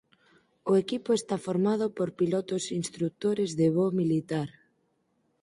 O equipo está formado por pilotos instrutores de voo militar.